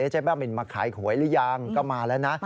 เจ๊บ้าบินมาขายหวยหรือยังก็มาแล้วนะ